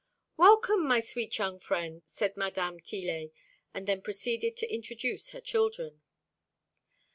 "Welcome, my sweet young friend," said Mdme. Tillet, and then proceeded to introduce her children.